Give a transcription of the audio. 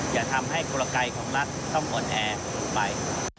อย่าทำให้กุรกัยของรัฐต้องอ่อนแอไป